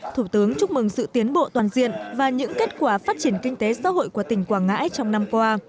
thủ tướng chúc mừng sự tiến bộ toàn diện và những kết quả phát triển kinh tế xã hội của tỉnh quảng ngãi trong năm qua